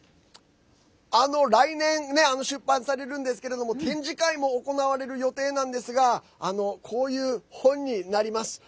来年、出版されるんですが展示会も行われる予定なんですがこういう本になります。